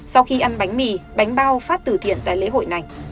sau khi ăn bánh mì bánh bao phát từ thiện tại lễ hội này